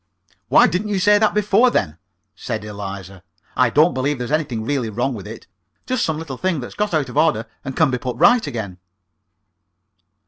"Why didn't you say that before, then?" said Eliza. "I don't believe there's anything really wrong with it just some little thing that's got out of order, and can be put right again."